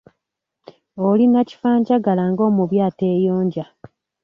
Oli nakifanjagala ng’omubi ateeyonja.